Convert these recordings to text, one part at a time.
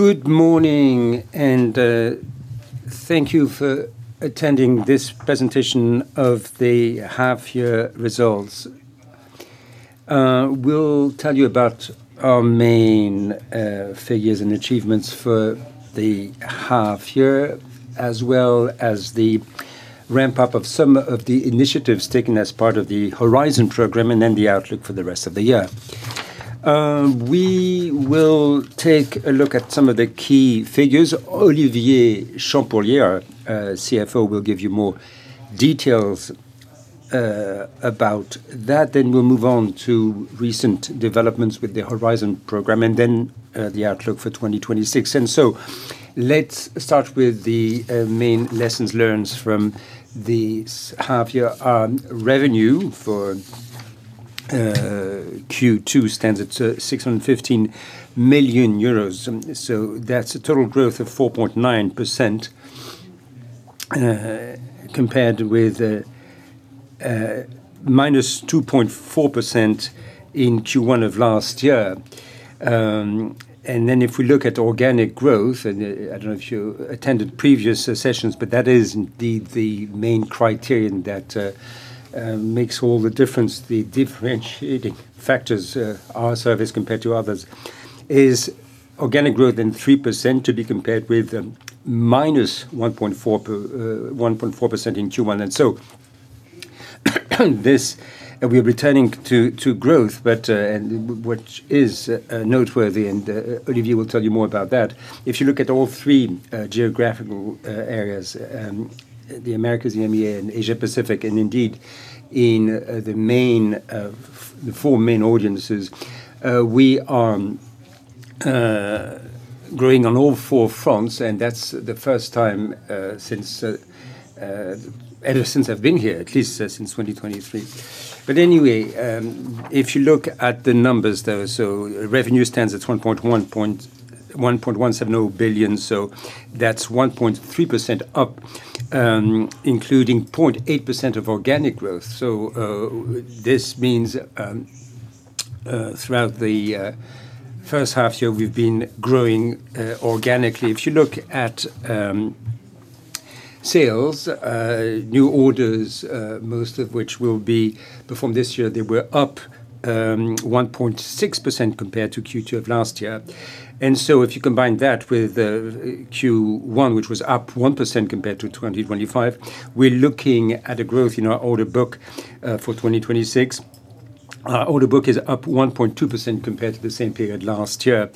Good morning, thank you for attending this presentation of the half-year results. We'll tell you about our main figures and achievements for the half-year, as well as the ramp-up of some of the initiatives taken as part of the Horizons program. Then the outlook for the rest of the year. We will take a look at some of the key figures. Olivier Champourlier, our CFO, will give you more details about that. We'll move on to recent developments with the Horizons program. Then the outlook for 2026. Let's start with the main lessons learned from this half-year. Revenue for Q2 stands at 615 million euros. That's a total growth of 4.9% compared with -2.4% in Q1 of last year. If we look at organic growth, I don't know if you attended previous sessions, but that is indeed the main criterion that makes all the difference. The differentiating factors our service compared to others is organic growth in 3% to be compared with -1.4% in Q1. We are returning to growth, which is noteworthy. Olivier will tell you more about that. If you look at all three geographical areas, the Americas, EMEA, and Asia Pacific, indeed in the four main audiences, we are growing on all four fronts. That's the first time ever since I've been here, at least since 2023. Anyway, if you look at the numbers, though, revenue stands at 1.170 billion. That's 1.3% up, including 0.8% of organic growth. This means throughout the first half year, we've been growing organically. If you look at sales, new orders, most of which will be performed this year, they were up 1.6% compared to Q2 of last year. If you combine that with Q1, which was up 1% compared to 2025, we're looking at a growth in our order book for 2026. Our order book is up 1.2% compared to the same period last year.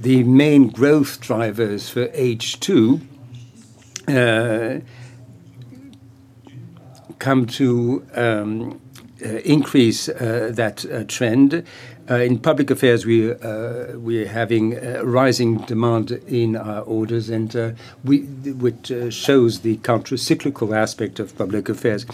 The main growth drivers for H2 come to increase that trend. In public affairs, we're having a rising demand in our orders, which shows the countercyclical aspect of public affairs.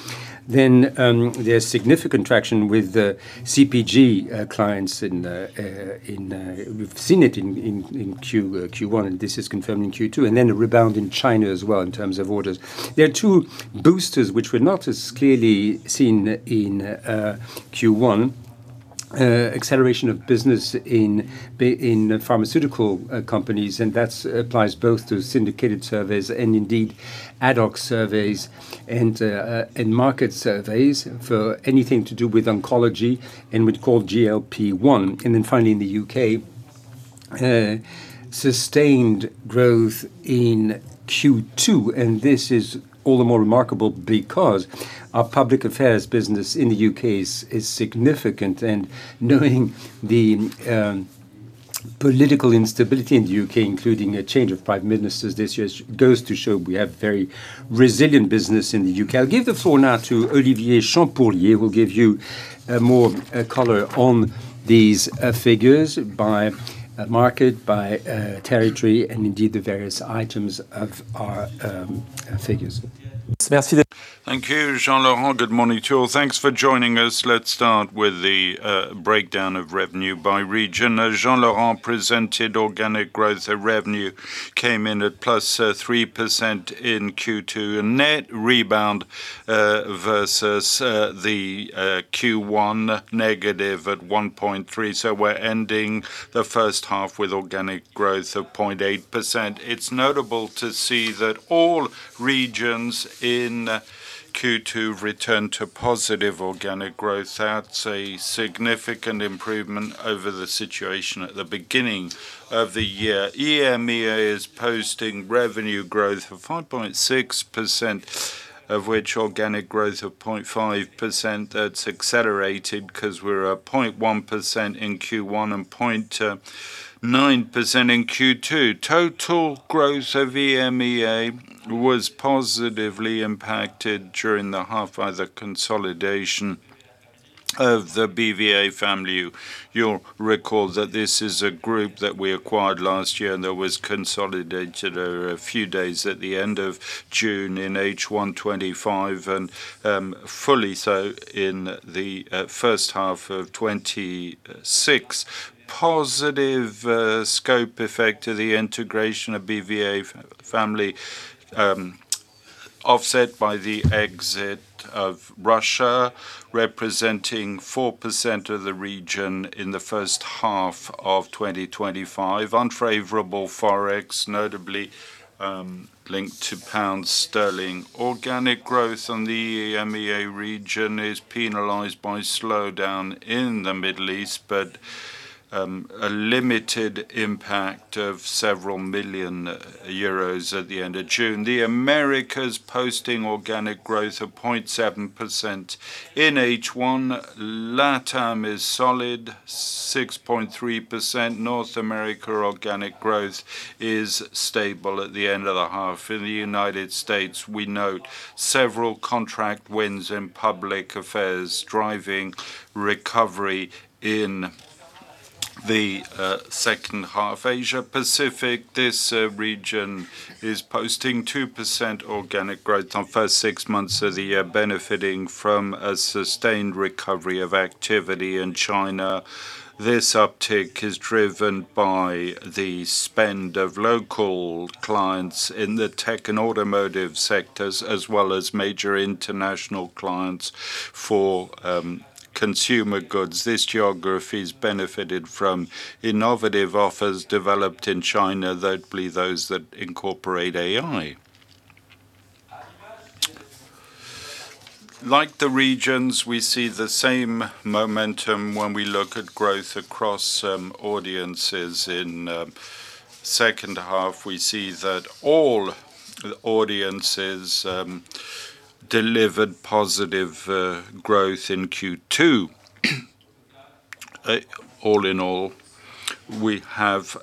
There's significant traction with the CPG clients. We've seen it in Q1, and this is confirmed in Q2. Then a rebound in China as well in terms of orders. There are two boosters which were not as clearly seen in Q1. Acceleration of business in pharmaceutical companies, that applies both to syndicated surveys indeed ad hoc surveys and market surveys for anything to do with oncology and we'd call GLP-1. Finally, in the U.K., sustained growth in Q2. This is all the more remarkable because our public affairs business in the U.K. is significant. Knowing the political instability in the U.K., including a change of prime ministers this year, goes to show we have very resilient business in the U.K. I'll give the floor now to Olivier Champourlier, who will give you more color on these figures by market, by territory indeed the various items of our figures. Thank you, Jean-Laurent. Good morning to all. Thanks for joining us. Let's start with the breakdown of revenue by region. As Jean-Laurent presented, organic growth revenue came in at +3% in Q2, a net rebound versus the Q1 negative at 1.3%. We're ending the first half with organic growth of 0.8%. It's notable to see that all regions in Q2 returned to positive organic growth. That's a significant improvement over the situation at the beginning of the year. EMEA is posting revenue growth of 5.6%, of which organic growth of 0.5%. That's accelerated because we're at 0.1% in Q1 and 0.9% in Q2. Total growth of EMEA was positively impacted during the half by the consolidation of The BVA Family. You'll recall that this is a group that we acquired last year and that was consolidated a few days at the end of June in H1 2025 and fully so in the first half of 2026. Positive scope effect of the integration of The BVA Family offset by the exit of Russia, representing 4% of the region in the first half of 2025. Unfavorable Forex, notably linked to pound sterling. Organic growth on the EMEA region is penalized by slowdown in the Middle East, but a limited impact of several million EUR at the end of June. The Americas posting organic growth of 0.7% in H1. LATAM is solid, 6.3%. North America organic growth is stable at the end of the half. In the U.S., we note several contract wins in public affairs, driving recovery in the second half. Asia Pacific, this region is posting 2% organic growth on first six months of the year, benefiting from a sustained recovery of activity in China. This uptick is driven by the spend of local clients in the tech and automotive sectors, as well as major international clients for consumer goods. This geography's benefited from innovative offers developed in China, notably those that incorporate AI. Like the regions, we see the same momentum when we look at growth across audiences in second half. We see that all audiences delivered positive growth in Q2. All in all, we have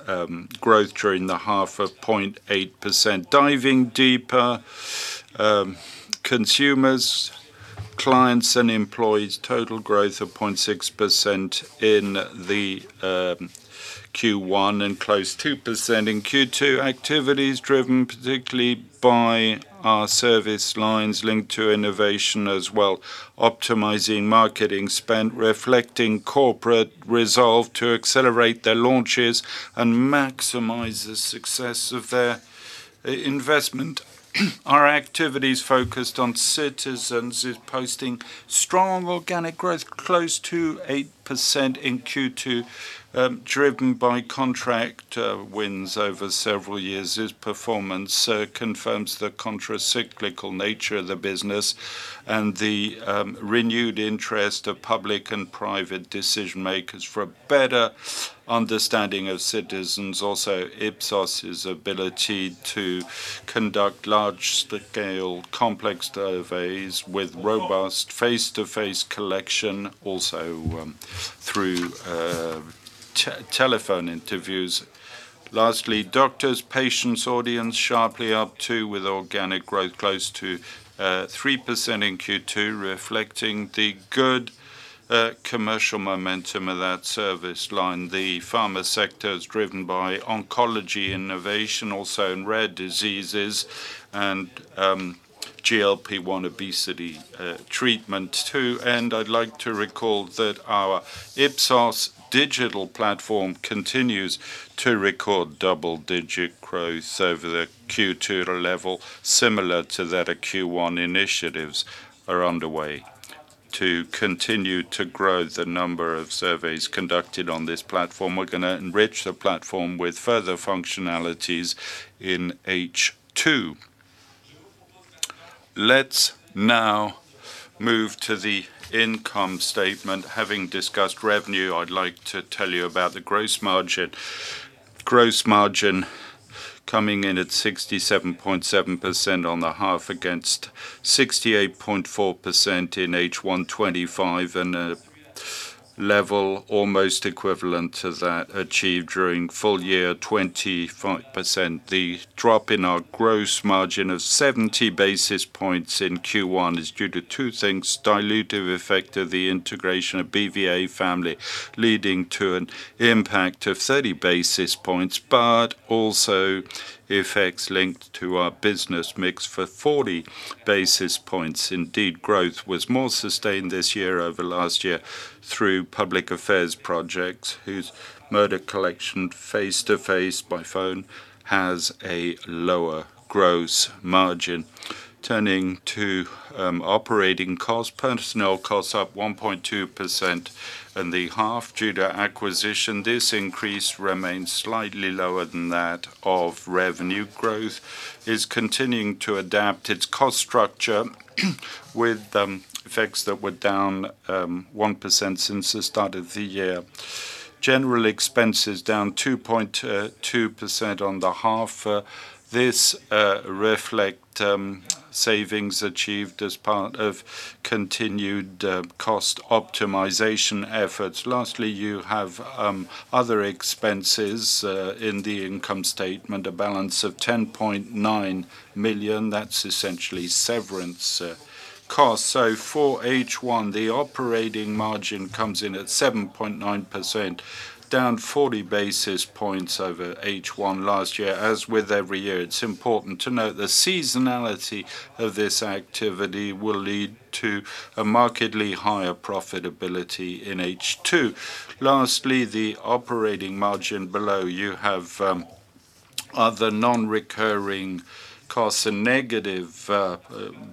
growth during the half of 0.8%. Diving deeper, consumers, clients, and employees, total growth of 0.6% in the Q1 and close 2% in Q2. Activity is driven particularly by our service lines linked to innovation as well, optimizing marketing spend, reflecting corporate resolve to accelerate their launches and maximize the success of their investment. Our activities focused on citizens is posting strong organic growth close to 8% in Q2, driven by contract wins over several years. This performance confirms the countercyclical nature of the business and the renewed interest of public and private decision-makers for a better understanding of citizens. Also, Ipsos' ability to conduct large-scale complex surveys with robust face-to-face collection, also through telephone interviews. Lastly, doctors, patients audience sharply up too, with organic growth close to 3% in Q2, reflecting the good commercial momentum of that service line. The pharma sector is driven by oncology innovation, also in rare diseases and GLP-1 obesity treatment too. I'd like to recall that our Ipsos.Digital Platform continues to record double digit growth over the Q2 level, similar to that of Q1. Initiatives are underway to continue to grow the number of surveys conducted on this platform. We're going to enrich the platform with further functionalities in H2. Let's now move to the income statement. Having discussed revenue, I'd like to tell you about the gross margin. Gross margin coming in at 67.7% on the half against 68.4% in H1 2025, and a level almost equivalent to that achieved during full year 2025. The drop in our gross margin of 70 basis points in Q1 is due to two things. Dilutive effect of the integration of The BVA Family, leading to an impact of 30 basis points, but also effects linked to our business mix for 40 basis points. Growth was more sustained this year over last year through public affairs projects, whose method collection face-to-face, by phone, has a lower gross margin. Turning to operating costs. Personnel costs up 1.2% in the half due to acquisition. This increase remains slightly lower than that of revenue growth, is continuing to adapt its cost structure with effects that were down 1% since the start of the year. General expenses down 2.2% on the half. This reflects savings achieved as part of continued cost optimization efforts. Lastly, you have other expenses in the income statement, a balance of 10.9 million. That's essentially severance costs. For H1, the operating margin comes in at 7.9%, down 40 basis points over H1 last year. As with every year, it's important to note the seasonality of this activity will lead to a markedly higher profitability in H2. Lastly, the operating margin below you have other non-recurring costs, a negative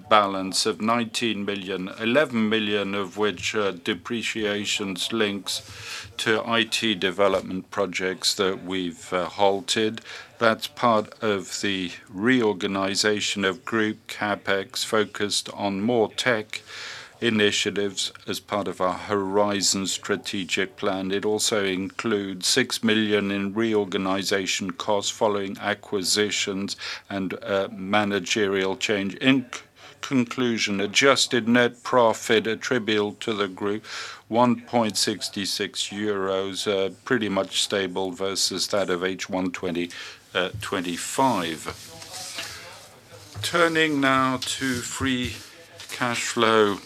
balance of 19 million, 11 million of which are depreciations linked to IT development projects that we've halted. That's part of the reorganization of group CapEx focused on more tech initiatives as part of our Horizons strategic plan. It also includes 6 million in reorganization costs following acquisitions and managerial change. In conclusion, adjusted net profit attributable to the group, 1.66 euros, pretty much stable versus that of H1 2025. Turning now to free cash flow.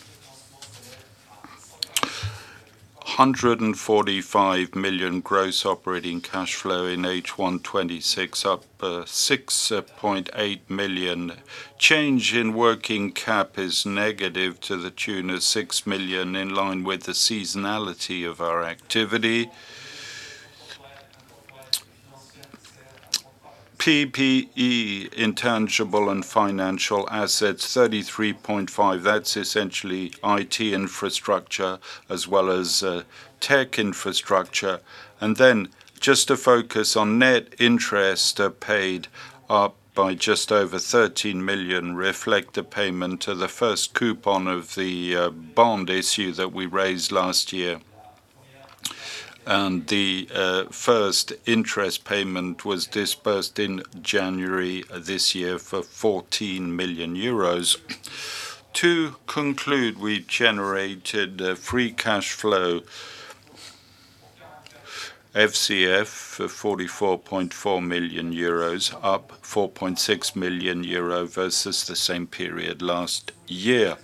145 million gross operating cash flow in H1 2026, up 6.8 million. Change in working cap is negative to the tune of 6 million, in line with the seasonality of our activity. PPE, intangible and financial assets, 33.5 million. That's essentially IT infrastructure as well as tech infrastructure. Just to focus on net interest paid up by just over 13 million, reflects the payment of the first coupon of the bond issue that we raised last year. The first interest payment was disbursed in January this year for 14 million euros. We generated a free cash flow, FCF, of 44.4 million euros, up 4.6 million euro versus the same period last year.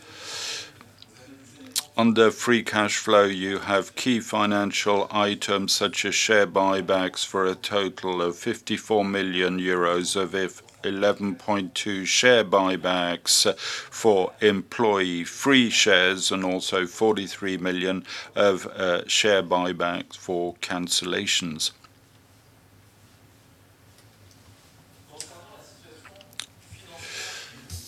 Under free cash flow, you have key financial items such as share buybacks for a total of 54 million euros of it, 11.2 million share buybacks for employee free shares, and also 43 million of share buybacks for cancellations.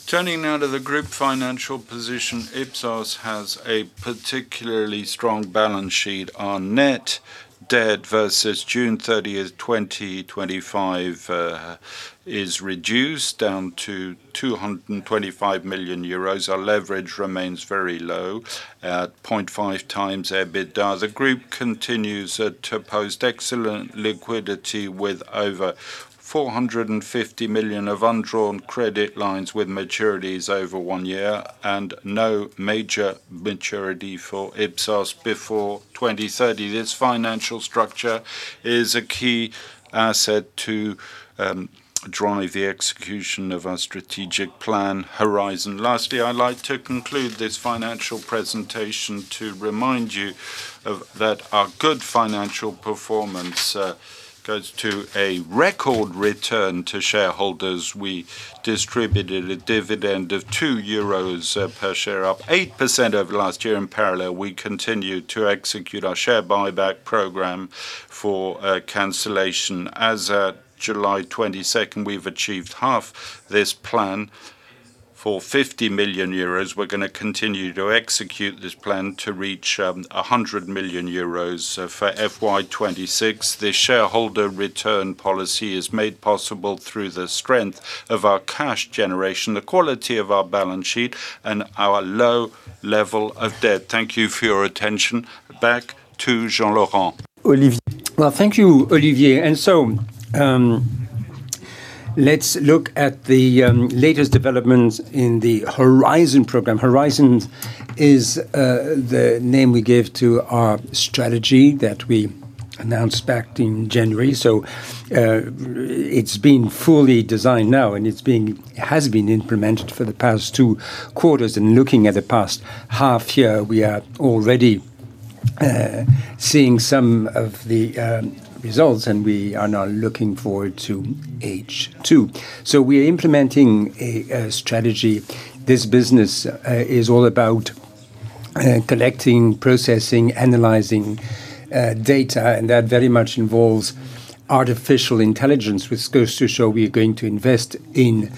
The group financial position. Ipsos has a particularly strong balance sheet. Our net debt versus June 30, 2025, is reduced down to 225 million euros. Our leverage remains very low at 0.5x EBITDA. The group continues to post excellent liquidity, with over 450 million of undrawn credit lines with maturities over one year and no major maturity for Ipsos before 2030. This financial structure is a key asset to drive the execution of our strategic plan Horizons. Lastly, I would like to conclude this financial presentation to remind you that our good financial performance goes to a record return to shareholders. We distributed a dividend of 2 euros per share, up 8% over last year. In parallel, we continued to execute our share buyback program for cancellation. As at July 22nd, we have achieved half this plan for 50 million euros. We are going to continue to execute this plan to reach 100 million euros for FY 2026. This shareholder return policy is made possible through the strength of our cash generation, the quality of our balance sheet, and our low level of debt. Thank you for your attention. Back to Jean-Laurent. Well, thank you, Olivier. Let us look at the latest developments in the Horizons program. Horizons is the name we give to our strategy that we announced back in January. It has been fully designed now, and it has been implemented for the past two quarters. Looking at the past half year, we are already seeing some of the results, and we are now looking forward to H2. We are implementing a strategy. This business is all about collecting, processing, analyzing data, and that very much involves artificial intelligence, which goes to show we are going to invest in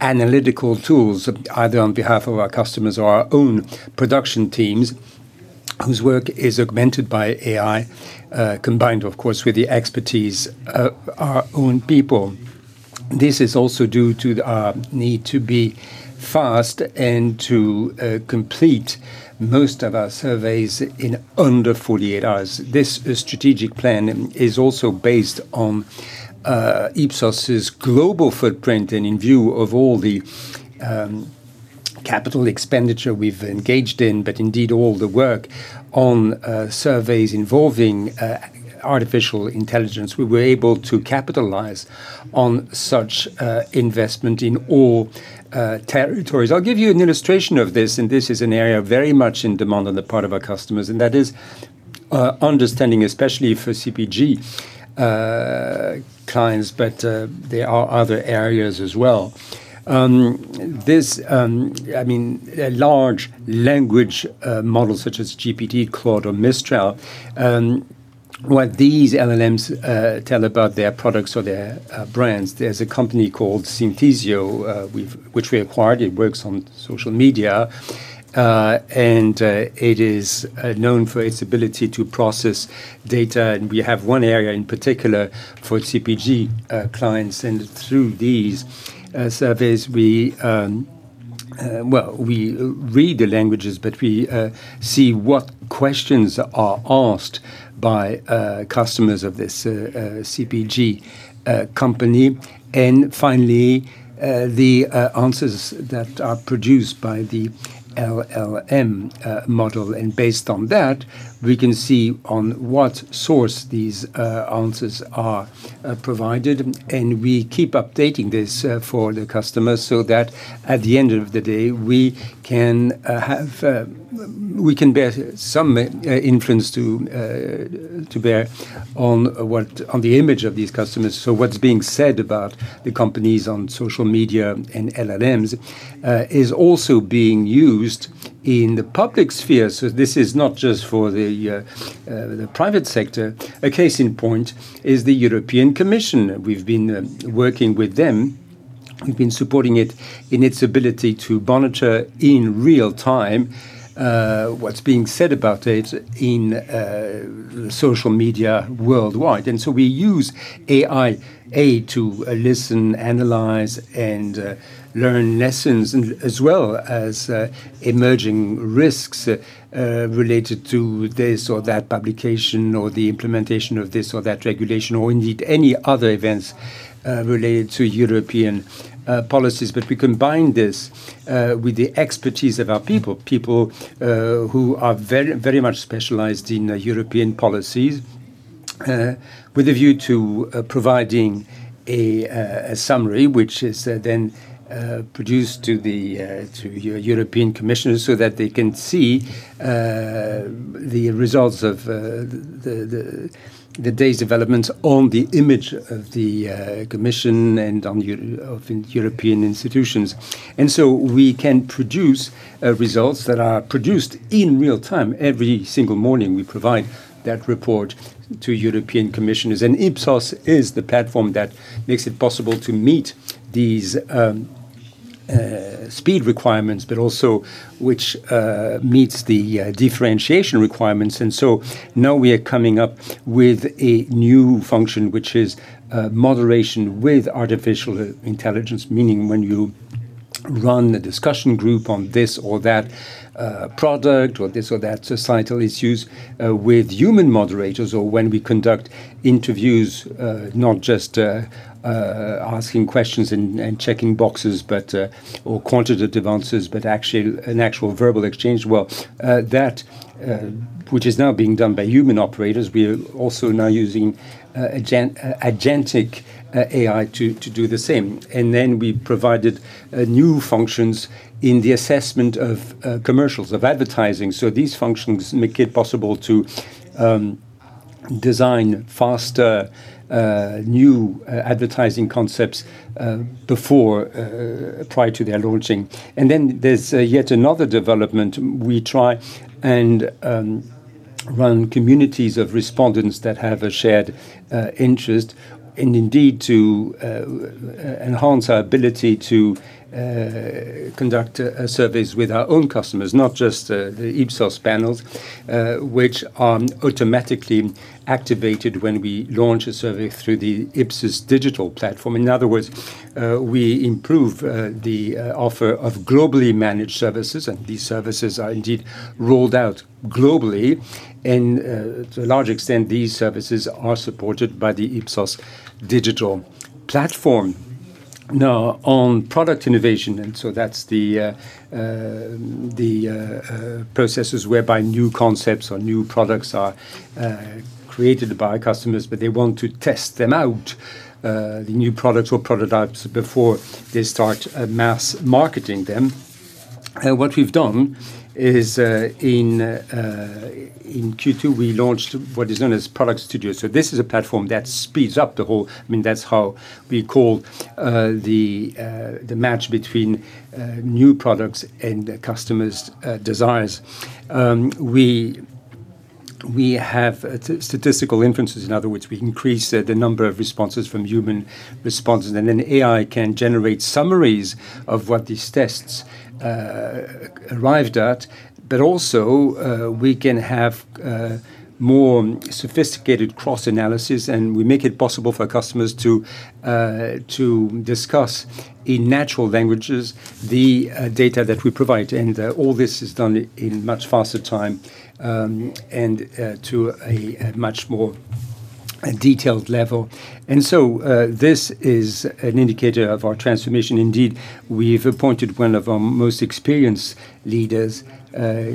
analytical tools, either on behalf of our customers or our own production teams, whose work is augmented by AI, combined, of course, with the expertise of our own people. This is also due to our need to be fast and to complete most of our surveys in under 48 hours. This strategic plan is also based on Ipsos' global footprint and in view of all the capital expenditure we have engaged in, but indeed all the work on surveys involving artificial intelligence. We were able to capitalize on such investment in all territories. I will give you an illustration of this, and this is an area very much in demand on the part of our customers, and that is understanding, especially for CPG clients, but there are other areas as well. Large language models such as GPT, Claude, or Mistral, what these LLMs tell about their products or their brands. There is a company called Synthesio, which we acquired. It works on social media, and it is known for its ability to process data. We have one area in particular for CPG clients. Through these surveys, we read the languages, but we see what questions are asked by customers of this CPG company. Finally, the answers that are produced by the LLM model. Based on that, we can see on what source these answers are provided. We keep updating this for the customer so that at the end of the day, we can bear some influence to bear on the image of these customers. What's being said about the companies on social media and LLMs is also being used in the public sphere. This is not just for the private sector. A case in point is the European Commission. We've been working with them. We've been supporting it in its ability to monitor in real time what's being said about it in social media worldwide. We use AI aid to listen, analyze, and learn lessons, as well as emerging risks related to this or that publication or the implementation of this or that regulation, or indeed, any other events related to European policies. We combine this with the expertise of our people who are very much specialized in European policies, with a view to providing a summary which is then produced to the European Commissioners so that they can see the results of the day's developments on the image of the Commission and of European institutions. We can produce results that are produced in real time. Every single morning, we provide that report to European Commissioners, and Ipsos is the platform that makes it possible to meet these speed requirements, but also which meets the differentiation requirements. Now we are coming up with a new function, which is moderation with artificial intelligence, meaning when you run a discussion group on this or that product or this or that societal issues with human moderators or when we conduct interviews, not just asking questions and checking boxes or quantitative answers, but an actual verbal exchange. Well, that which is now being done by human operators, we are also now using agentic AI to do the same. We provided new functions in the assessment of commercials, of advertising. These functions make it possible to design faster, new advertising concepts prior to their launching. There's yet another development. We try and run communities of respondents that have a shared interest, indeed to enhance our ability to conduct surveys with our own customers, not just the Ipsos panels, which are automatically activated when we launch a survey through the Ipsos.Digital Platform. In other words, we improve the offer of globally managed services. These services are indeed rolled out globally. To a large extent, these services are supported by the Ipsos.Digital Platform. Now, on product innovation, that's the processes whereby new concepts or new products are created by customers, but they want to test them out, the new products or prototypes, before they start mass marketing them. What we've done is, in Q2, we launched what is known as Product Studio. This is a platform that speeds up the match between new products and customers' desires. We have statistical inferences. In other words, we increase the number of responses from human responses, then AI can generate summaries of what these tests arrived at. Also, we can have more sophisticated cross-analysis, and we make it possible for customers to discuss in natural languages the data that we provide. All this is done in much faster time, and to a much more detailed level. This is an indicator of our transformation. Indeed, we've appointed one of our most experienced leaders.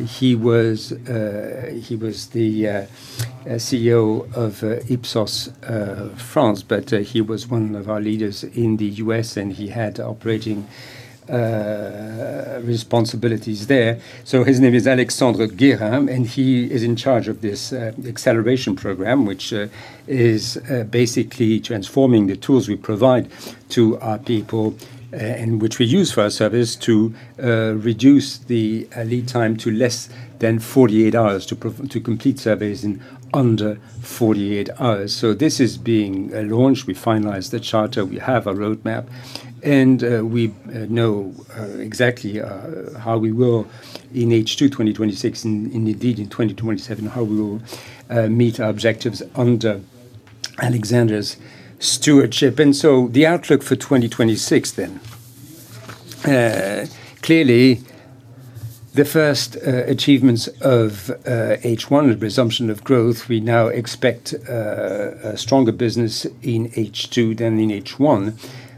He was the CEO of Ipsos France, but he was one of our leaders in the U.S., and he had operating responsibilities there. His name is Alexandre Guérin, and he is in charge of this acceleration program, which is basically transforming the tools we provide to our people and which we use for our service to reduce the lead time to less than 48 hours, to complete surveys in under 48 hours. This is being launched. We finalized the charter. We have a roadmap, and we know exactly how we will in H2 2026 and indeed in 2027, how we will meet our objectives under Alexandre's stewardship. The outlook for 2026 then clearly, the first achievements of H1, resumption of growth, we now expect a stronger business in H2 than in H1.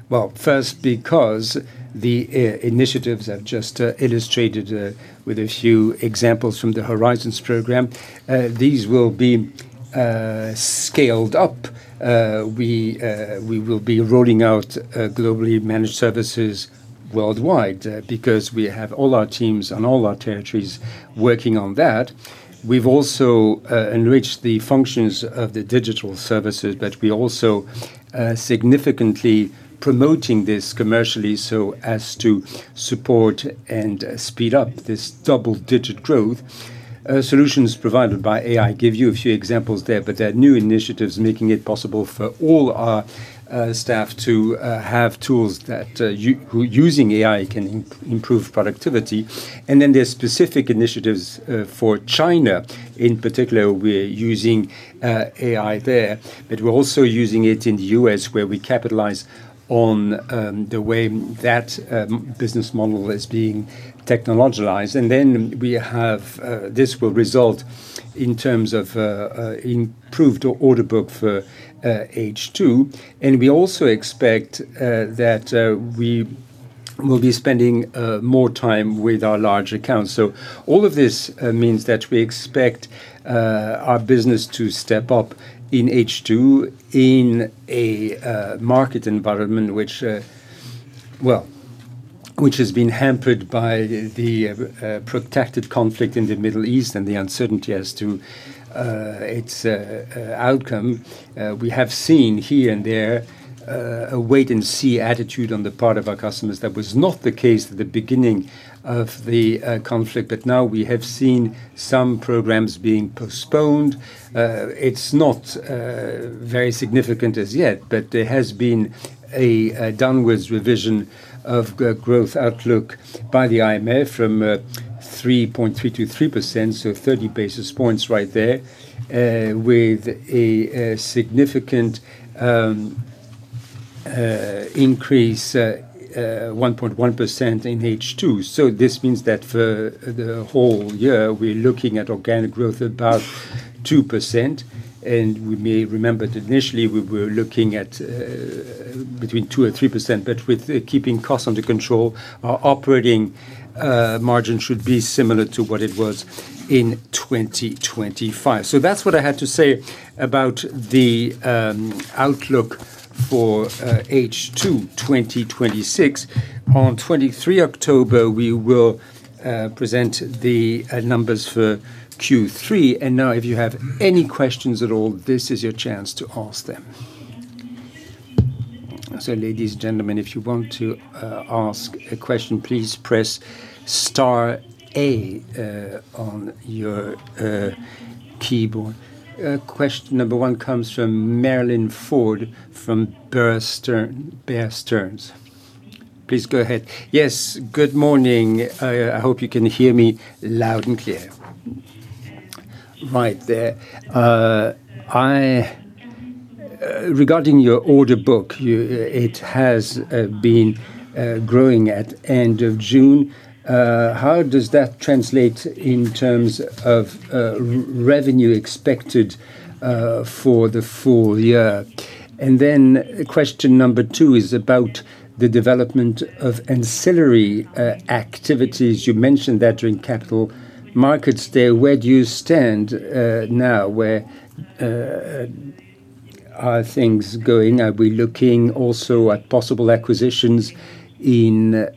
Well, first, because the initiatives I've just illustrated with a few examples from the Horizons program, these will be scaled up. We will be rolling out globally managed services worldwide because we have all our teams and all our territories working on that. We've also enriched the functions of the digital services, we also significantly promoting this commercially so as to support and speed up this double digit growth. Solutions provided by AI, give you a few examples there, but there are new initiatives making it possible for all our staff to have tools that using AI can improve productivity. There are specific initiatives for China. In particular, we're using AI there, but we're also using it in the U.S. where we capitalize on the way that business model is being technologicalized. This will result in terms of improved order book for H2. We also expect that we will be spending more time with our large accounts. All of this means that we expect our business to step up in H2 in a market environment which has been hampered by the protracted conflict in the Middle East and the uncertainty as to its outcome. We have seen here and there a wait and see attitude on the part of our customers. That was not the case at the beginning of the conflict. Now we have seen some programs being postponed. It's not very significant as yet, but there has been a downwards revision of growth outlook by the IMF from 3.3%-3%, so 30 basis points right there, with a significant increase, 1.1% in H2. This means that for the whole year, we're looking at organic growth about 2%. We may remember that initially we were looking at between 2% and 3%, with keeping costs under control, our operating margin should be similar to what it was in 2025. That's what I had to say about the outlook for H2 2026. On 23 October, we will present the numbers for Q3. Now if you have any questions at all, this is your chance to ask them. Ladies and gentlemen, if you want to ask a question, please press star eight on your keyboard. Question number one comes from Marie-Line Fort from Bernstein. Please go ahead. Yes, good morning. I hope you can hear me loud and clear. Right there. Regarding your order book, it has been growing at end of June. How does that translate in terms of revenue expected for the full year? Question number two is about the development of ancillary activities. You mentioned that during Capital Markets Day. Where do you stand now? Where are things going? Are we looking also at possible acquisitions in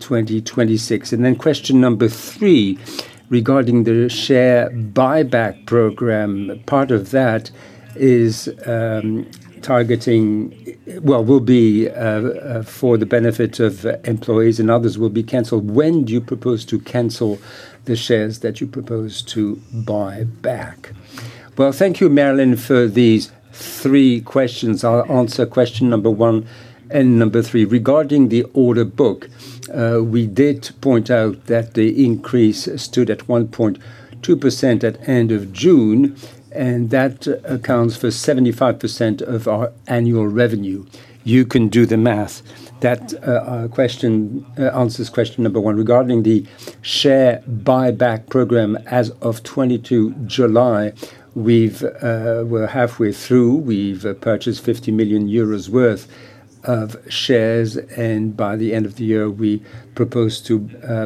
2026? Question number three regarding the share buyback program. Part of that will be for the benefit of employees and others will be canceled. When do you propose to cancel the shares that you propose to buy back? Well, thank you, Marie-Line, for these three questions. I'll answer question number one and number three. Regarding the order book, we did point out that the increase stood at 1.2% at end of June, and that accounts for 75% of our annual revenue. You can do the math. That answers question number one. Regarding the share buyback program, as of 22 July, we're halfway through. We've purchased 50 million euros worth of shares, by the end of the year, we propose to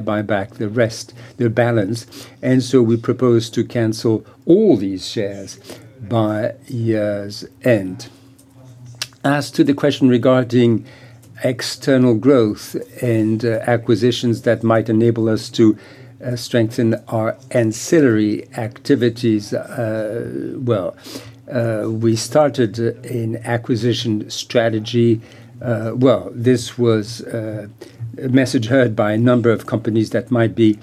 buy back the rest, the balance. We propose to cancel all these shares by year's end. As to the question regarding external growth and acquisitions that might enable us to strengthen our ancillary activities. Well, we started an acquisition strategy. This was a message heard by a number of companies that might be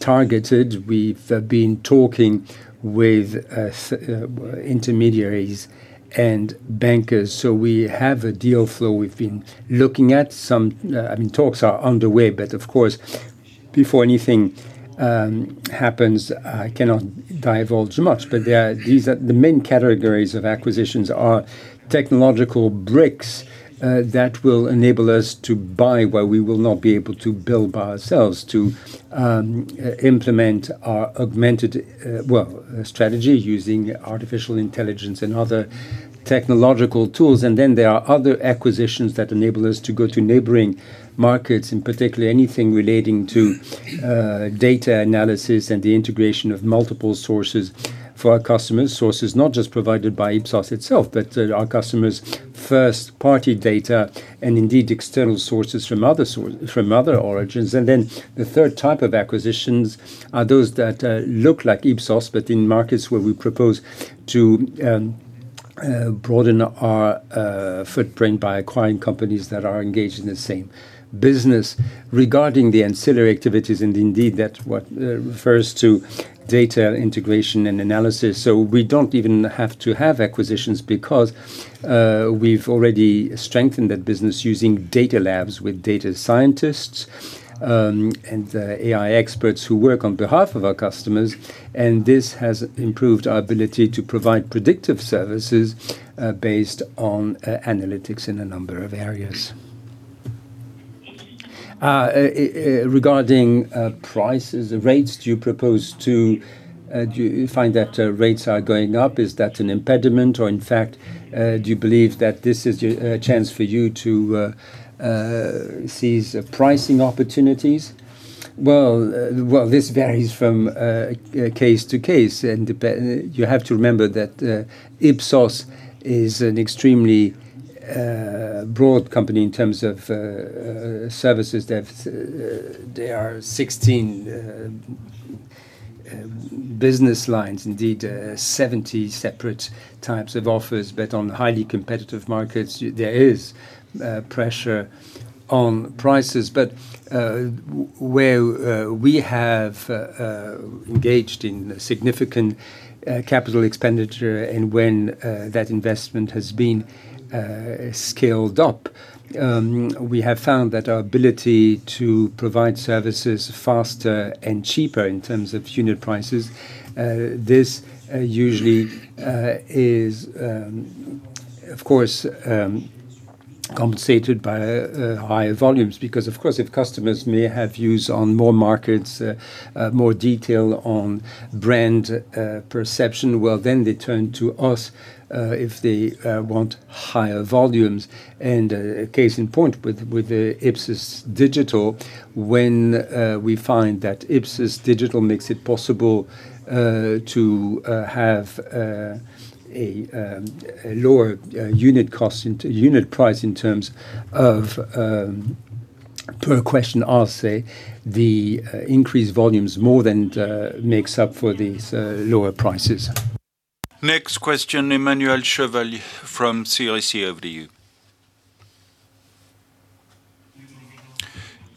targeted. We've been talking with intermediaries and bankers. We have a deal flow. Talks are underway, but of course before anything happens, I cannot divulge much, but the main categories of acquisitions are technological bricks that will enable us to buy what we will not be able to build by ourselves, to implement our strategy using artificial intelligence and other technological tools. There are other acquisitions that enable us to go to neighboring markets, and particularly anything relating to data analysis and the integration of multiple sources for our customers. Sources not just provided by Ipsos itself, but our customers' first-party data and indeed external sources from other origins. The third type of acquisitions are those that look like Ipsos, but in markets where we propose to broaden our footprint by acquiring companies that are engaged in the same business. Regarding the ancillary activities, and indeed that's what refers to data integration and analysis. We don't even have to have acquisitions because we've already strengthened that business using data labs with data scientists and AI experts who work on behalf of our customers, and this has improved our ability to provide predictive services based on analytics in a number of areas. Regarding prices, rates, do you find that rates are going up? Is that an impediment, or in fact, do you believe that this is a chance for you to seize pricing opportunities? Well, this varies from case to case. You have to remember that Ipsos is an extremely broad company in terms of services. There are 16 business lines. Indeed, 70 separate types of offers, but on highly competitive markets, there is pressure on prices. Where we have engaged in significant capital expenditure and when that investment has been scaled up, we have found that our ability to provide services faster and cheaper in terms of unit prices, this usually is, of course, compensated by higher volumes. Of course, if customers may have views on more markets, more detail on brand perception, well, then they turn to us if they want higher volumes. A case in point with the Ipsos.Digital, when we find that Ipsos.Digital makes it possible to have a lower unit price in terms of per question asked say, the increased volumes more than makes up for these lower prices. Next question, Emmanuel Chevalier from CIC CIB.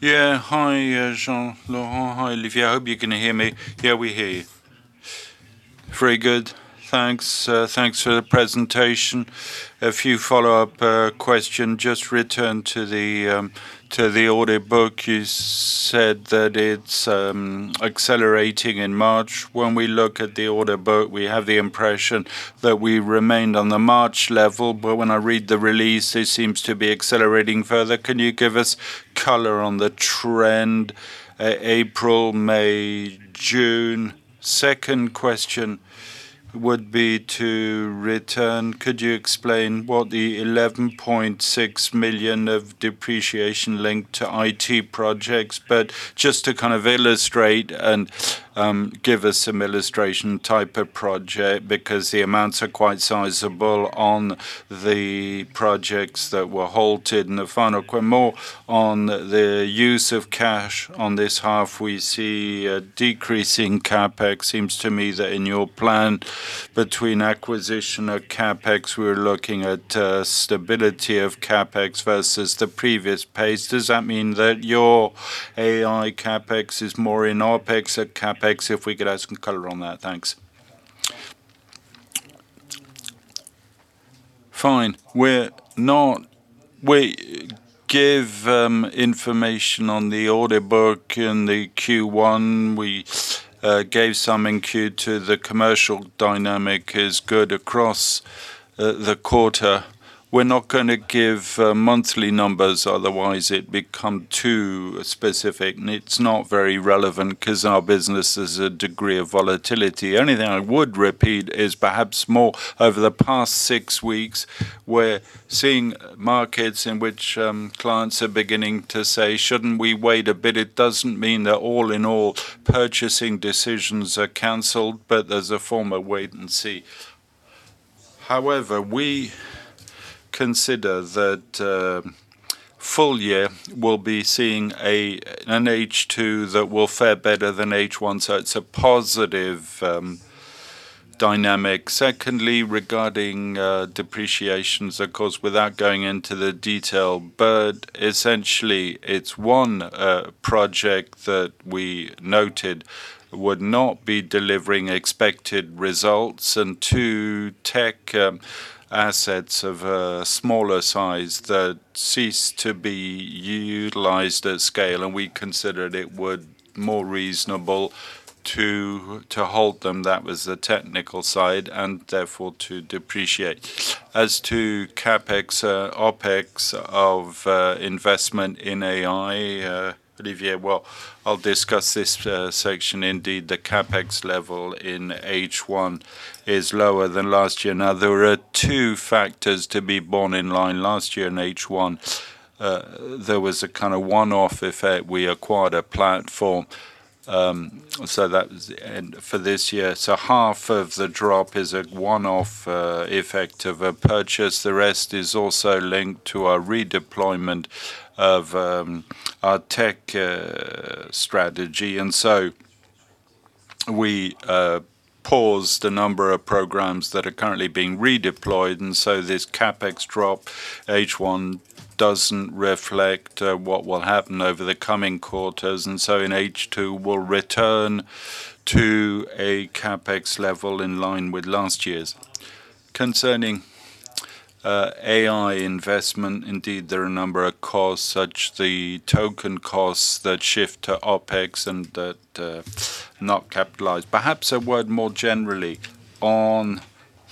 Yeah. Hi, Jean-Laurent. Hi, Olivier. I hope you can hear me. Yeah, we hear you. Very good. Thanks for the presentation. A few follow-up questions. Just return to the order book, you said that it's accelerating in March. When we look at the order book, we have the impression that we remained on the March level. When I read the release, it seems to be accelerating further. Can you give us color on the trend, April, May, June? Second question would be to return. Could you explain what the 11.6 million of depreciation linked to IT projects? Just to kind of illustrate and give us some illustration type of project, because the amounts are quite sizable on the projects that were halted? The final more on the use of cash on this half. We see a decrease in CapEx. Seems to me that in your plan between acquisition of CapEx, we're looking at stability of CapEx versus the previous pace. Does that mean that your AI CapEx is more in OpEx at CapEx? If we could have some color on that. Thanks. Fine. We give information on the order book in the Q1. We gave some in Q2. The commercial dynamic is good across the quarter. We're not going to give monthly numbers, otherwise it becomes too specific, and it's not very relevant because our business is a degree of volatility. The only thing I would repeat is perhaps more over the past six weeks, we're seeing markets in which clients are beginning to say, "Shouldn't we wait a bit?" It doesn't mean that all in all, purchasing decisions are canceled, there's a form of wait and see. We consider that full year will be seeing an H2 that will fare better than H1, so it's a positive dynamic. Secondly, regarding depreciations, of course, without going into the detail, essentially it's one project that we noted would not be delivering expected results and two tech assets of a smaller size that ceased to be utilized at scale, we considered it would more reasonable to hold them, that was the technical side, and therefore to depreciate as to CapEx, OpEx of investment in AI, Olivier, I'll discuss this section. Indeed, the CapEx level in H1 is lower than last year. There were two factors to be borne in line. Last year in H1, there was a kind of one-off effect. We acquired a platform, for this year, half of the drop is a one-off effect of a purchase. The rest is also linked to our redeployment of our tech strategy. We paused a number of programs that are currently being redeployed, this CapEx drop H1 doesn't reflect what will happen over the coming quarters. In H2, we'll return to a CapEx level in line with last year's. Concerning AI investment, indeed, there are a number of costs, such the token costs that shift to OpEx and that are not capitalized. Perhaps a word more generally on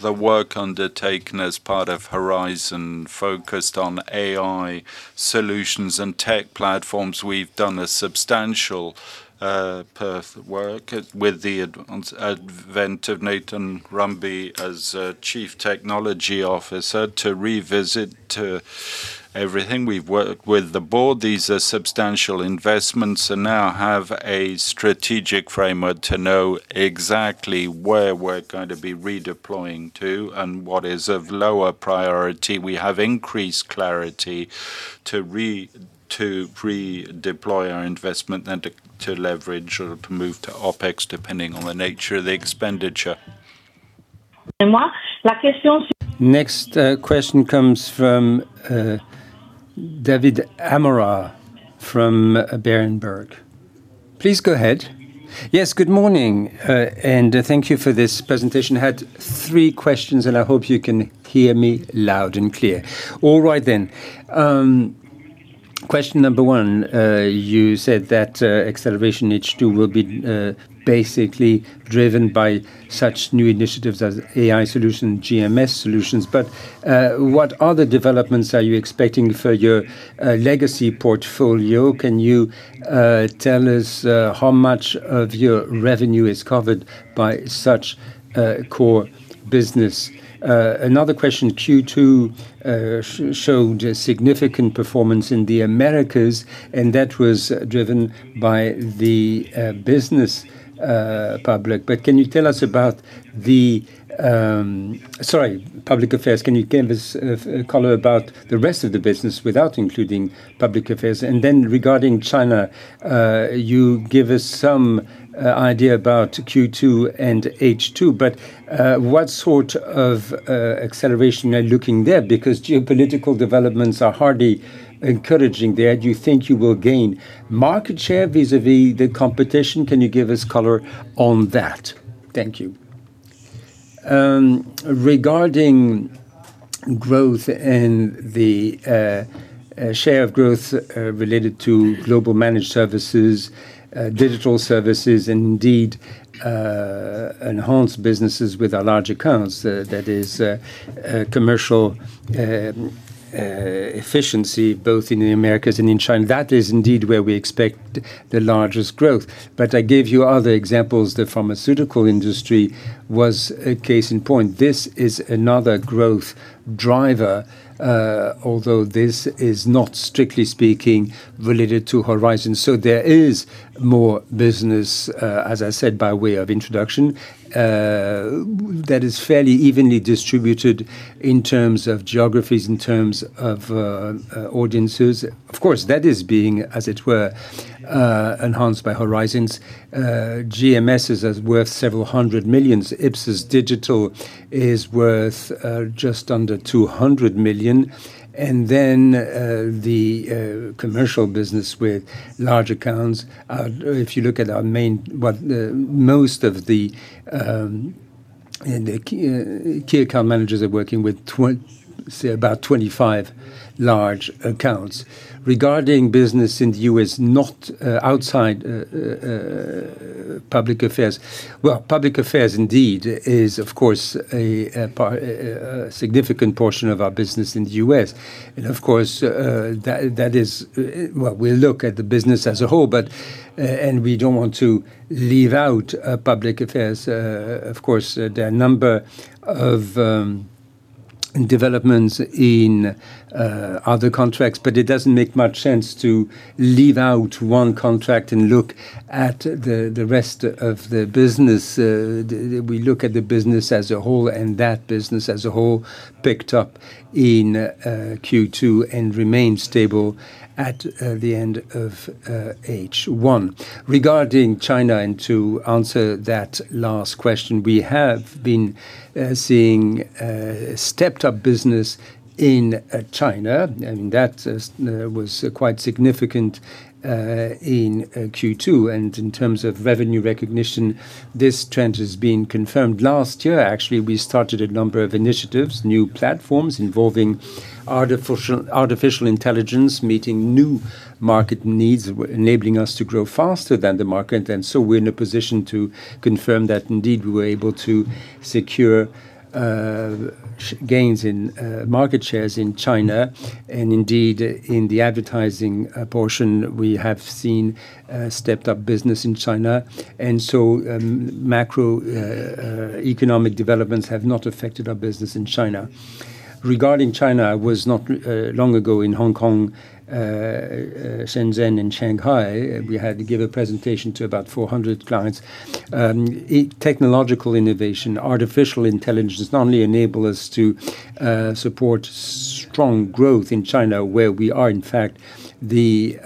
the work undertaken as part of Horizons focused on AI solutions and tech platforms. We've done a substantial path of work with the advent of Nathan Brumby as Chief Technology Officer to revisit everything. We've worked with the board. These are substantial investments and now have a strategic framework to know exactly where we're going to be redeploying to and what is of lower priority. We have increased clarity to redeploy our investment than to leverage or to move to OpEx, depending on the nature of the expenditure. Next question comes from Davide Amorim from Berenberg. Please go ahead. Yes, good morning, and thank you for this presentation. I had three questions, and I hope you can hear me loud and clear. All right then. Question number one, you said that acceleration in H2 will be basically driven by such new initiatives as AI solution, GMS solutions. What other developments are you expecting for your legacy portfolio? Can you tell us how much of your revenue is covered by such core business? Another question, Q2 showed a significant performance in the Americas, and that was driven by the business public. Sorry, public affairs. Can you give us color about the rest of the business without including public affairs? Then regarding China, you give us some idea about Q2 and H2, what sort of acceleration are you looking there? Geopolitical developments are hardly encouraging there. Do you think you will gain market share vis-a-vis the competition? Can you give us color on that? Thank you. Regarding growth and the share of growth related to global managed services, digital services, indeed, enhanced businesses with our large accounts, that is commercial efficiency both in the Americas and in China. That is indeed where we expect the largest growth. I gave you other examples. The pharmaceutical industry was a case in point. This is another growth driver, although this is not strictly speaking related to Horizons. There is more business, as I said by way of introduction, that is fairly evenly distributed in terms of geographies, in terms of audiences. Of course, that is being, as it were, enhanced by Horizons. GMS is worth several hundred million EUR. Ipsos.Digital is worth just under 200 million. The commercial business with large accounts. If you look at our main, most of the key account managers are working with say about 25 large accounts. Regarding business in the U.S., outside public affairs. Well, public affairs indeed is, of course, a significant portion of our business in the U.S. Of course, we look at the business as a whole, and we don't want to leave out public affairs. Of course, there are a number of developments in other contracts, but it doesn't make much sense to leave out one contract and look at the rest of the business. We look at the business as a whole, and that business as a whole picked up in Q2 and remained stable at the end of H1. Regarding China, to answer that last question, we have been seeing stepped-up business in China, and that was quite significant in Q2. In terms of revenue recognition, this trend has been confirmed. Last year, actually, we started a number of initiatives, new platforms involving artificial intelligence, meeting new market needs, enabling us to grow faster than the market. We're in a position to confirm that indeed we were able to secure gains in market shares in China. Indeed, in the advertising portion, we have seen stepped-up business in China. Macro-economic developments have not affected our business in China. Regarding China, I was not long ago in Hong Kong, Shenzhen, and Shanghai. We had to give a presentation to about 400 clients. Technological innovation, artificial intelligence, not only enable us to support strong growth in China, where we are, in fact, the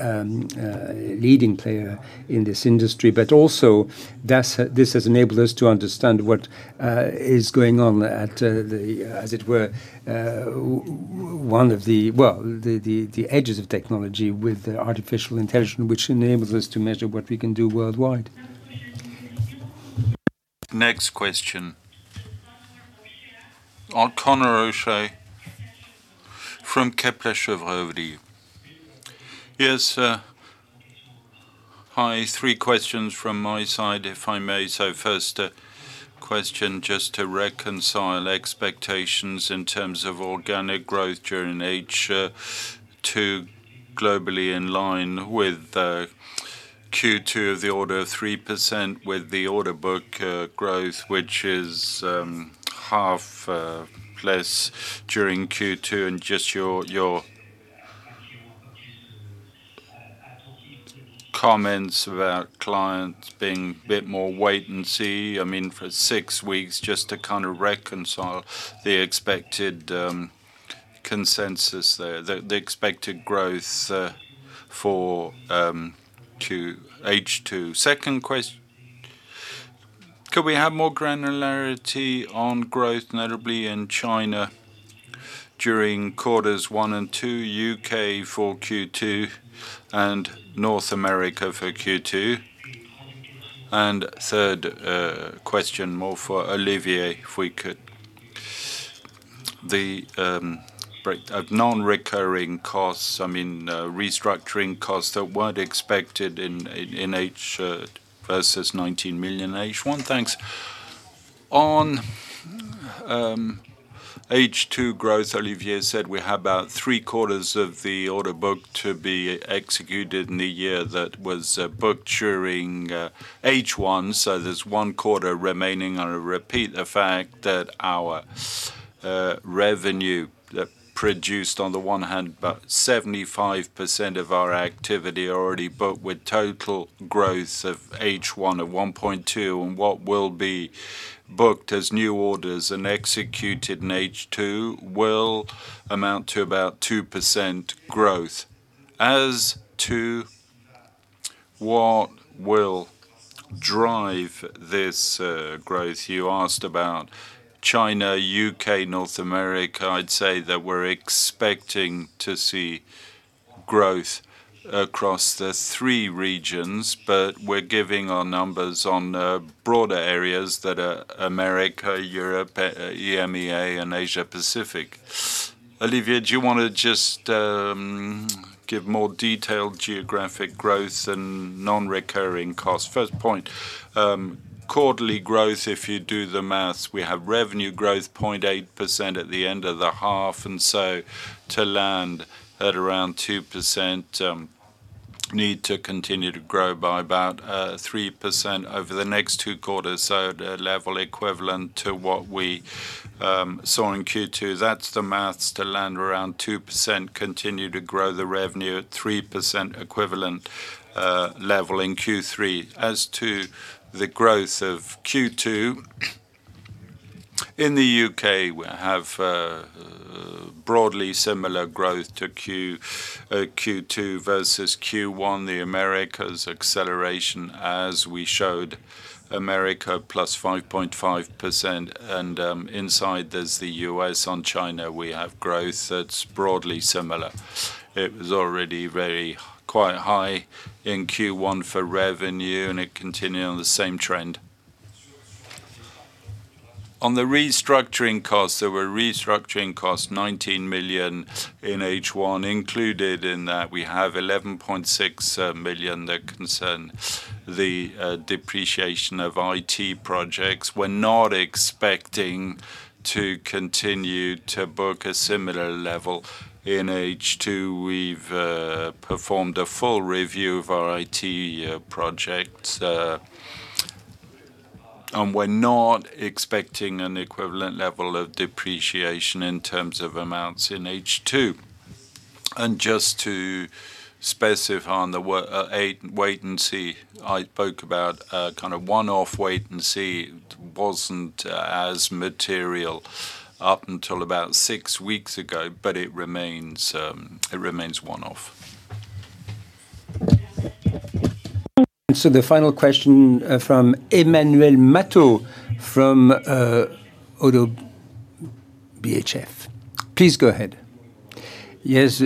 leading player in this industry. But also this has enabled us to understand what is going on at, as it were, one of the edges of technology with artificial intelligence, which enables us to measure what we can do worldwide. Next question. Conor O'Shea from Kepler Cheuvreux. Yes, sir. Hi. Three questions from my side, if I may. First question, just to reconcile expectations in terms of organic growth during H2 globally in line with Q2 of the order of 3% with the order book growth, which is half less during Q2, and just your comments about clients being a bit more wait and see. For six weeks just to kind of reconcile the expected consensus there, the expected growth for H2. Second question, could we have more granularity on growth, notably in China during quarters one and two, U.K. for Q2, and North America for Q2? Third question, more for Olivier, if we could. The non-recurring costs, restructuring costs that weren't expected in H1 versus 19 million in H1? Thanks. On H2 growth, Olivier said we have about three quarters of the order book to be executed in the year that was booked during H1, so there's one quarter remaining. I repeat the fact that our revenue produced on the one hand, about 75% of our activity already booked with total growth of H1 at 1.2%, and what will be booked as new orders and executed in H2 will amount to about 2% growth. As to what will drive this growth, you asked about China, U.K., North America. I'd say that we're expecting to see growth across the three regions, but we're giving our numbers on broader areas that are America, Europe, EMEA, and Asia Pacific. Olivier, do you want to just give more detailed geographic growth and non-recurring costs? First point, quarterly growth, if you do the math, we have revenue growth 0.8% at the end of the half. To land at around 2%, need to continue to grow by about 3% over the next two quarters. At a level equivalent to what we saw in Q2. That's the math to land around 2%, continue to grow the revenue at 3% equivalent level in Q3. As to the growth of Q2. In the U.K., we have broadly similar growth to Q2 versus Q1, the Americas acceleration, as we showed America +5.5%, and inside there's the U.S. On China, we have growth that's broadly similar. It was already very quite high in Q1 for revenue, and it continued on the same trend. On the restructuring costs, there were restructuring costs, 19 million in H1. Included in that, we have 11.6 million that concern the depreciation of IT projects. We're not expecting to continue to book a similar level in H2. We've performed a full review of our IT projects. We're not expecting an equivalent level of depreciation in terms of amounts in H2. Just to specify on the wait and see, I spoke about a kind of one-off wait and see. It wasn't as material up until about six weeks ago, but it remains one-off. The final question from Emmanuel Matot from Oddo BHF. Please go ahead. Yes.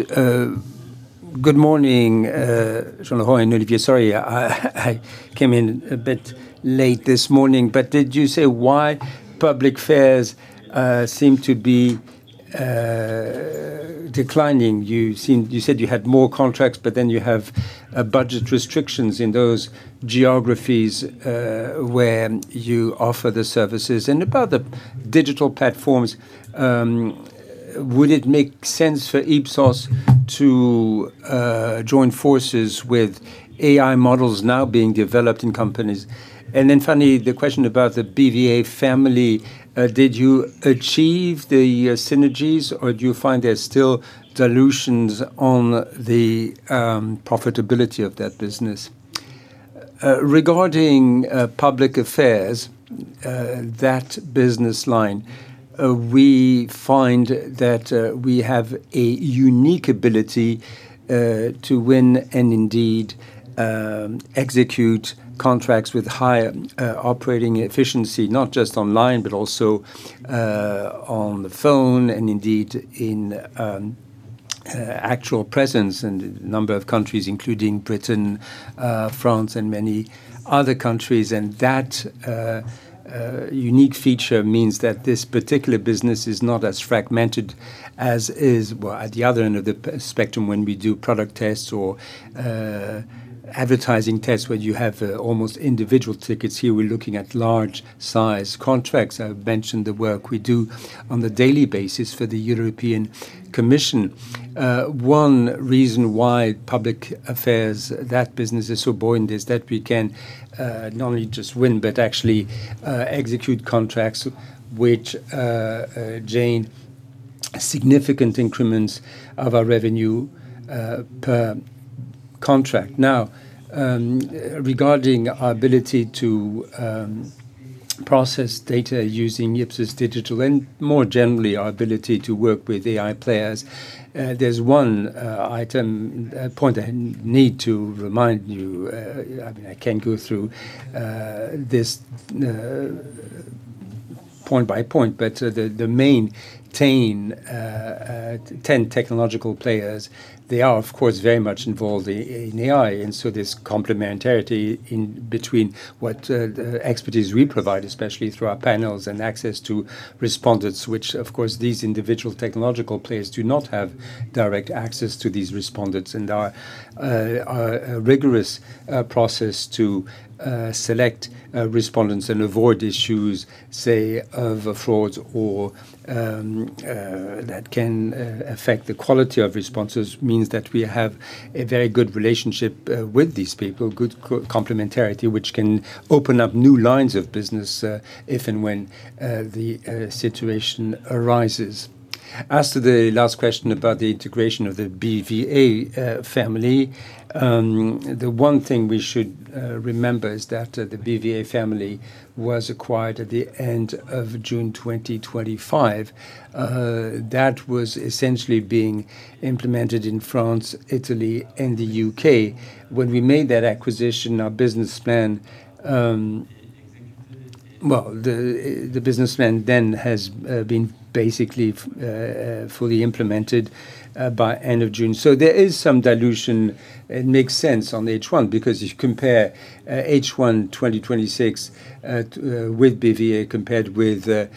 Good morning, Jean-Laurent and Olivier. Sorry, I came in a bit late this morning. Did you say why public affairs seem to be declining? You said you had more contracts, you have budget restrictions in those geographies where you offer the services. About the digital platform, would it make sense for Ipsos to join forces with AI models now being developed in companies? Finally, the question about The BVA Family. Did you achieve the synergies, do you find there's still dilutions on the profitability of that business? Regarding public affairs, that business line, we find that we have a unique ability to win and indeed, execute contracts with high operating efficiency, not just online, but also on the phone and indeed in actual presence in a number of countries, including Britain, France, and many other countries. That unique feature means that this particular business is not as fragmented as is, well, at the other end of the spectrum when we do product tests or advertising tests where you have almost individual tickets. Here, we're looking at large size contracts. I've mentioned the work we do on the daily basis for the European Commission. One reason why public affairs, that business is so buoyant is that we can not only just win, but actually execute contracts which gain significant increments of our revenue per contract. Regarding our ability to process data using Ipsos.Digital, and more generally, our ability to work with AI players, there's one item, a point I need to remind you. I can't go through this point-by-point, but the main 10 technological players, they are, of course, very much involved in AI. There's complementarity in between what expertise we provide, especially through our panels and access to respondents, which, of course, these individual technological players do not have direct access to these respondents, and our rigorous process to select respondents and avoid issues, say, of frauds or that can affect the quality of responses means that we have a very good relationship with these people, good complementarity, which can open up new lines of business if and when the situation arises. As to the last question about the integration of The BVA Family, the one thing we should remember is that The BVA Family was acquired at the end of June 2025. That was essentially being implemented in France, Italy, and the U.K. When we made that acquisition, our business plan, well, the business plan then has been basically fully implemented by end of June. There is some dilution. It makes sense on H1 because if you compare H1 2026 with BVA compared with H1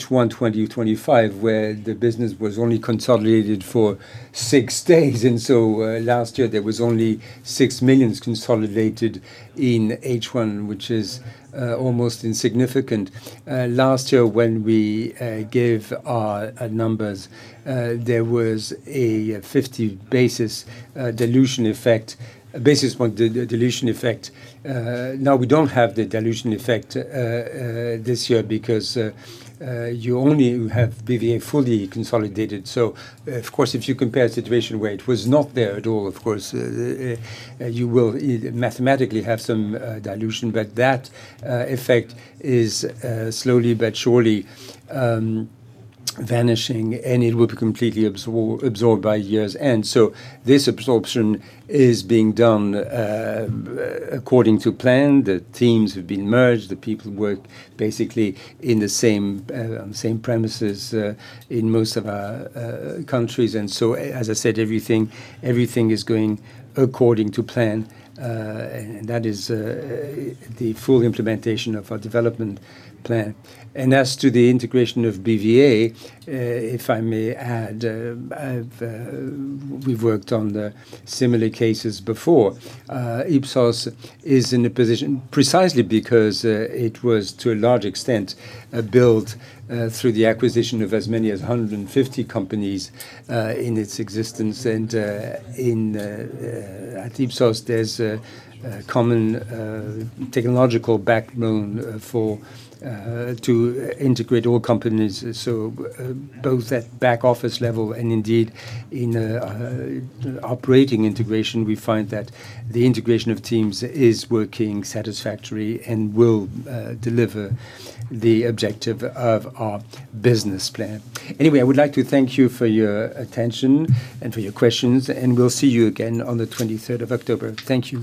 2025, where the business was only consolidated for six days, and so last year there was only 6 million consolidated in H1, which is almost insignificant. Last year when we gave our numbers, there was a 50 basis dilution effect, a basis point dilution effect. We don't have the dilution effect this year because you only have BVA fully consolidated. Of course, if you compare the situation where it was not there at all, of course, you will mathematically have some dilution, but that effect is slowly but surely vanishing, and it will be completely absorbed by year's end. This absorption is being done according to plan. The teams have been merged. The people work basically in the same premises in most of our countries. As I said, everything is going according to plan. That is the full implementation of our development plan. As to the integration of BVA, if I may add, we've worked on the similar cases before. Ipsos is in a position precisely because it was, to a large extent, built through the acquisition of as many as 150 companies in its existence. In Ipsos, there's a common technological backbone to integrate all companies. Both at back office level and indeed in operating integration, we find that the integration of teams is working satisfactory and will deliver the objective of our business plan. I would like to thank you for your attention and for your questions, and we'll see you again on the 23rd of October. Thank you.